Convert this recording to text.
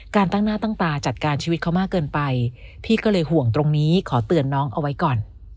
ตั้งหน้าตั้งตาจัดการชีวิตเขามากเกินไปพี่ก็เลยห่วงตรงนี้ขอเตือนน้องเอาไว้ก่อน